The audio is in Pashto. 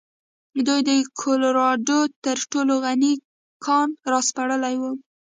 دوی د کولراډو تر ټولو غني کان راسپړلی و.